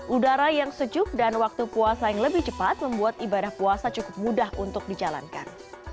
udara yang sejuk dan waktu puasa yang lebih cepat membuat ibadah puasa cukup mudah untuk dijalankan